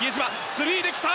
スリーで来た！